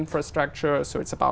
hoặc chính phủ